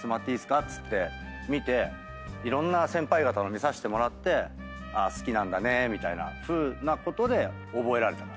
っつって見ていろんな先輩方の見させてもらって「好きなんだね」みたいなことで覚えられたから。